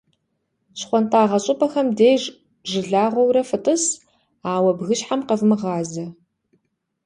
Щхуантӏагъэ щӀыпӀэхэм деж жылагъуэурэ фытӀыс, ауэ бгыщхьэм къэвмыгъазэ.